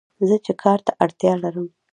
زه چې کار ته اړتیا لرم